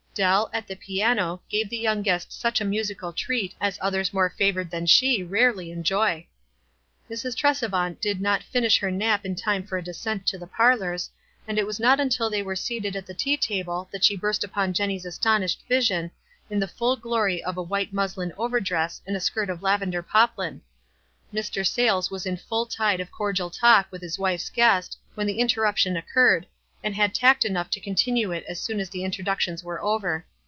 Dell, at the piano, gave the young guest such a musical treat as others more favored than she rarely enjoy. Mrs. Tresevant did not finish her nap in time for a descent to the parlors, and it was not until they were seated at the tea table that she burst upon Jenny's astonished vision, in the full glory of a white muslin overdress and a skirt of lavender poplin. Mr. Sayles was in full tide of cordial talk with his wife's guest, when the interruption occurred, and had tact enough to continue it as soon as the intro ductions were over.